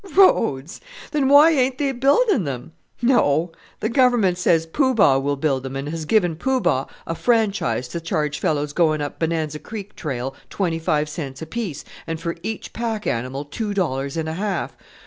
"Roads! Then why ain't they building them? No; the Government says Poo Bah will build them, and has given Poo Bah a franchise to charge fellows going up Bonanza Creek trail twenty five cents apiece, and for each pack animal two dollars and a half.